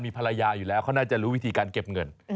ภรรยาอยู่แล้วเขาน่าจะรู้วิธีการเก็บเงิน